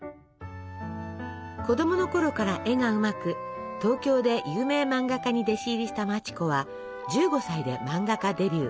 子供のころから絵がうまく東京で有名漫画家に弟子入りした町子は１５歳で漫画家デビュー。